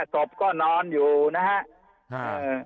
สบก็นอนอยู่นะฮะ